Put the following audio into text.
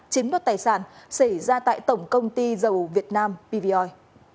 chiếm đốt tài sản xảy ra tại tổng công ty dầu việt nam bvoi